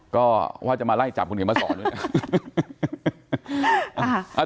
ก็ว่าจะมาไล่จับคุณเขียนมาสอนด้วยนะ